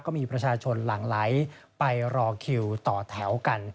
ก็มีประชาชนหลั่งไหลไปรอคิวต่อแถวกัน